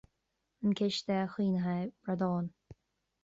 An Ciste Caomhnaithe Bradán.